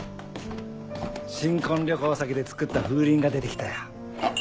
・新婚旅行先で作った風鈴が出て来たよ。